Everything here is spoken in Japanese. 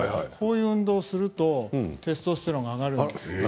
こういう運動をするとテストステロンが上がるんです。